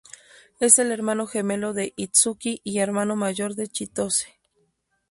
Es el hermano gemelo de Itsuki y hermano mayor de Chitose.